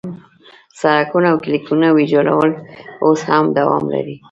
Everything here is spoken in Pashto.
سړکونه او کلینیکونه ویجاړول اوس هم دوام لري.